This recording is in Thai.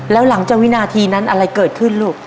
แล้วหลังจากวินาทีนั้นอะไรเกิดขึ้นลูก